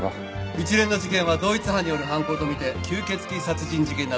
一連の事件は同一犯による犯行とみて吸血鬼殺人事件などと呼ばれた。